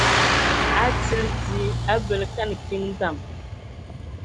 Atili dzi a bələ kan kiŋ dzam.